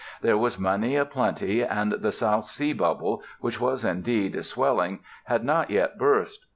There was money aplenty and the South Sea Bubble, which was indeed swelling, had not yet burst.